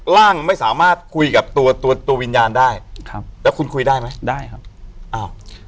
ร่างไม่สามารถคุยกับตัวตัวตัววิญญาณได้ครับแล้วคุณคุยได้ไหมได้ครับอ้าว